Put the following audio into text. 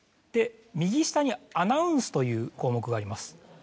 右下にアナウンスという項目があります。